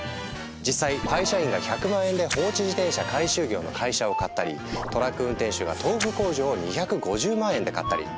実際会社員が１００万円で放置自転車回収業の会社を買ったりトラック運転手が豆腐工場を２５０万円で買ったり。